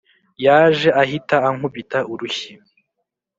Yaje ahita ankubita urushyi